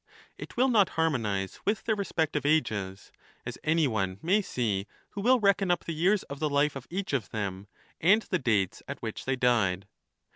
It will not harmonize with their respective ages, as anyone may see who will reckon up the years of the life of each of them, and the dates at which they died.